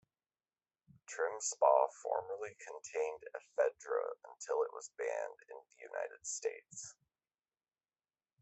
TrimSpa formerly contained ephedra until it was banned in the United States.